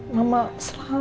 mama selalu berharap itu